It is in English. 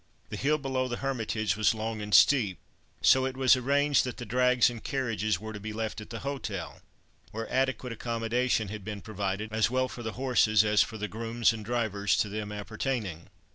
The hill below the Hermitage was long and steep, so it was arranged that the drags and carriages were to be left at the hotel, where adequate accommodation had been provided, as well for the horses, as for the grooms and drivers to them appertaining.